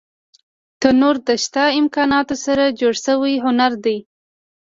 تنور د شته امکاناتو سره جوړ شوی هنر دی